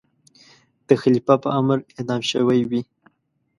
د خلیفه په امر اعدام شوی وي.